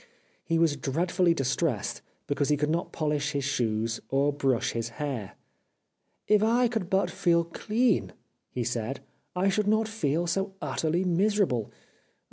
He was dreadfully distressed because he could not polish his shoes or brush his hair. '' If I could but feel clean," he said, ^' I should not feel so utterly miserable.